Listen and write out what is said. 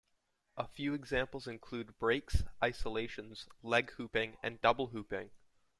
A few examples include breaks, isolations, leg hooping, and double hooping.